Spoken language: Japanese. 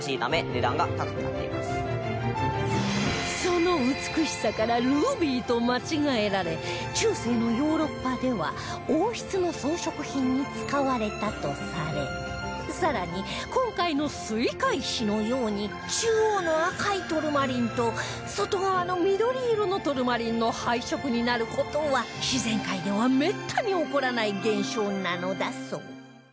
その美しさからルビーと間違えられ中世のヨーロッパでは王室の装飾品に使われたとされ更に今回のスイカ石のように中央の赤いトルマリンと外側の緑色のトルマリンの配色になる事は自然界ではめったに起こらない現象なのだそう